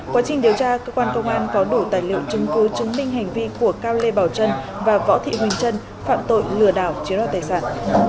quá trình điều tra cơ quan công an có đủ tài liệu chứng cứ chứng minh hành vi của cao lê bảo trân và võ thị huỳnh trân phạm tội lừa đảo chiếm đoạt tài sản